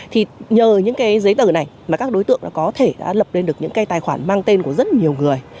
thì nhờ những cái giấy tờ này mà các đối tượng có thể đã lập lên được những cái tài khoản mang tên của rất nhiều người